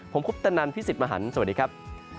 ผมคุปตนันพี่สิทธิ์มหันฯสวัสดีครับ